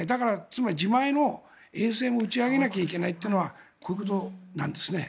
つまり、自前の衛星を打ち上げないといけないのはこういうことなんですね。